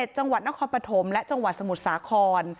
จังหวัดนครปฐมและจังหวัดสมุทรสาคร